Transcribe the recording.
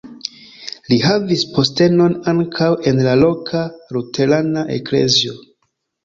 Li havis postenon ankaŭ en la loka luterana eklezio.